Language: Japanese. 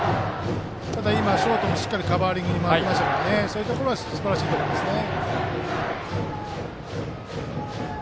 ただ、ショートもしっかりカバーリングに回っていたのでそういうところはすばらしいですね。